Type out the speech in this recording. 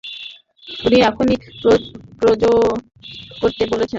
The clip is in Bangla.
উনি এখনই প্রপোজ করতে বলেছেন।